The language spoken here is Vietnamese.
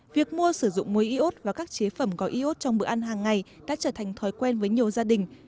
việc mua sử dụng muối iốt và các chế phẩm có iốt trong bữa ăn hàng ngày đã trở thành thói quen với nhiều gia đình